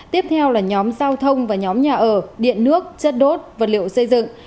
tiếp theo là nhóm giao thông và nhóm nhà ở điện nước chất đốt vật liệu xây dựng